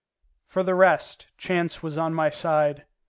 For the rest, chance was on my side.